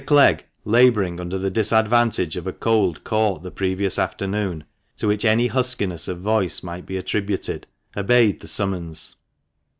Clegg, labouring under the disadvantage of a cold caught the previous afternoon, to which any huskiness of voice might be attributed, obeyed the summons.